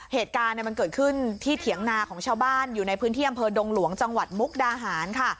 เหตุการณ์มันเกิดขึ้นที่เถียงนาของชาวบ้านอยู่ในพื้นที่อำเภอดงหลวงจังหวัดมุกดาหารค่ะ